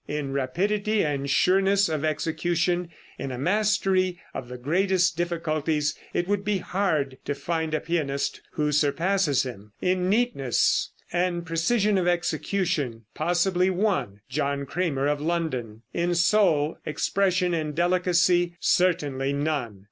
In rapidity and sureness of execution, in a mastery of the greatest difficulties, it would be hard to find a pianist who surpasses him; in neatness and precision of execution, possibly one (John Cramer, of London); in soul, expression and delicacy, certainly none."